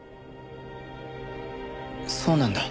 そうなんだ。